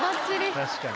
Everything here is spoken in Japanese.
確かに。